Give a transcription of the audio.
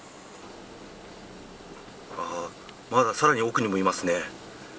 まだ、さらに奥にもいますね。